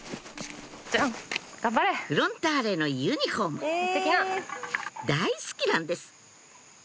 フロンターレのユニホーム大好きなんです